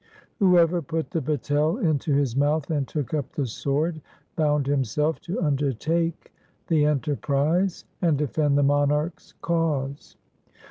Whoever put the betel into his mouth and took up the sword, bound himself to undertake the enterprise and defend the monarch's cause.